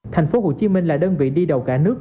thành phố hồ chí minh là đơn vị đi đầu cả nước